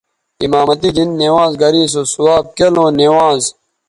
امامتی گھن نوانز سو ثواب کیلوں نوانز